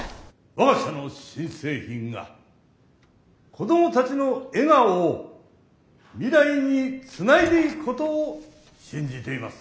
我が社の新製品が子どもたちの笑顔を未来につないでいくことを信じています。